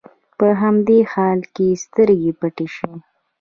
په همدې حال کې يې سترګې پټې شي.